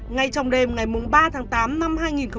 ngay trong đêm ngày ba tháng tám năm hai nghìn hai mươi